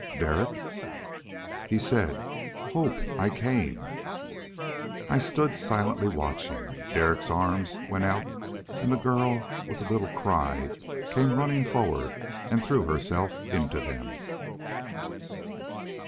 "Derek!" He said, "Hope, I came...." I stood silently watching. Derek's arms went out, and the girl, with a little cry, came running forward and threw herself into them.